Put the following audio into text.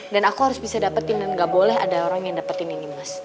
dan aku harus bisa dapetin dan gak boleh ada orang yang dapetin ini mas